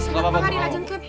itu langsung banget dilajunkan